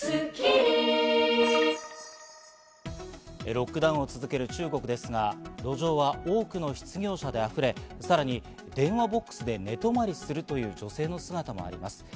ロックダウンを続ける中国ですが、路上は多くの失業者であふれ、さらに電話ボックスで寝泊まりするという女性の姿もあります。